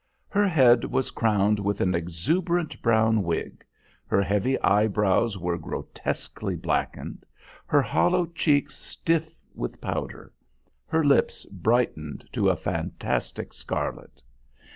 Her head was crowned with an exuberant brown wig, her heavy eyebrows were grotesquely blackened, her hollow cheeks stiff with powder, her lips brightened to a fantastic scarlet.